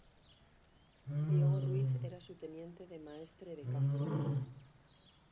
Diego Ruiz era su teniente de maestre de campo.